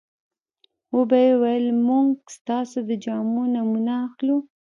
وبه یې ویل موږ ستاسو د جامو نمونه اخلو.